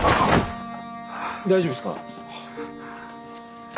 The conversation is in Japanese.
大丈夫ですか？